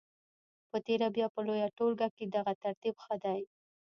په تېره بیا په لویه ټولګه کې دغه ترتیب ښه دی.